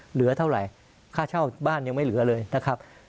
เหลือเท่าไหร่ค่าเช่าบ้านยังไม่เหลือเลยนะครับ